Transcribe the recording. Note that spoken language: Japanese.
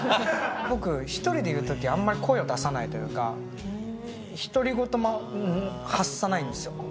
僕、１人でいるとき、あんまり声を出さないというか、独り言も発さないんですよ。